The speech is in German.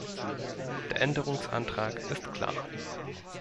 Der Änderungsantrag ist klar.